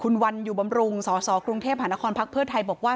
คุณวันอยู่บำรุงสสกรุงเทพหานครพักเพื่อไทยบอกว่า